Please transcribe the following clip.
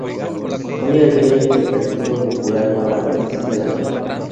Hoy el río es un lugar recreativo popular para la población de la zona.